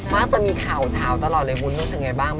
มักจะมีข่าวเช้าตลอดเลยวุ้นรู้สึกไงบ้าง